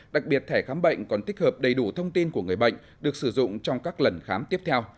đặc biệt thẻ khám bệnh còn tích hợp đầy đủ thông tin của người bệnh được sử dụng trong các lần khám tiếp theo